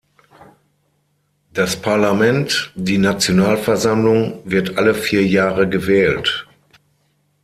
Das Parlament, die Nationalversammlung, wird alle vier Jahre gewählt.